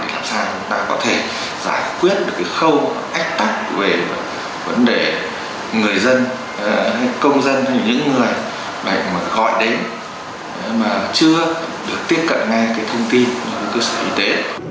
để làm sao chúng ta có thể giải quyết khâu ách tắc về vấn đề người dân công dân những người gọi đến mà chưa được tiếp cận ngay thông tin của sở y tế